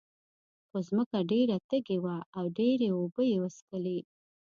خو ځمکه ډېره تږې وه او ډېرې اوبه یې وڅکلې.